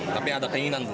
tapi ada keinginan belum